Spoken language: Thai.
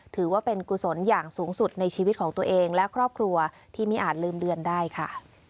ถือว่าเป็นกุศลอย่างสูงสุดในชีวิตของตัวเองและครอบครัวที่ไม่อาจลืมเดือนได้ค่ะ